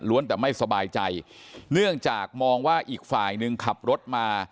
แต่ไม่สบายใจเนื่องจากมองว่าอีกฝ่ายหนึ่งขับรถมา